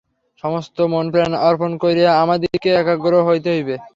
সমস্ত মনপ্রাণ অর্পণ করিয়া আমাদিগকে একাগ্র হইতে হইবে।